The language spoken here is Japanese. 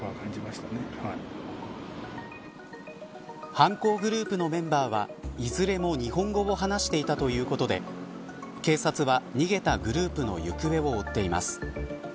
犯行グループのメンバーはいずれも日本語を話していたということで警察は、逃げたグループの行方を追っています。